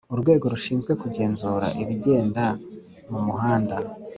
urwego rushinzwe kugenzura ibigenda mu muhanda